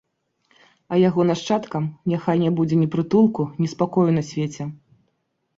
А яго нашчадкам няхай не будзе ні прытулку, ні спакою на свеце!